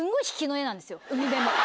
海辺も。